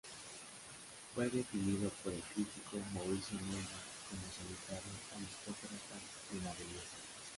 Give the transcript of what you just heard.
Fue definido por el crítico Mauricio Neuman como "solitario aristócrata de la belleza".